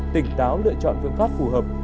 tỉnh táo lựa chọn phương pháp phù hợp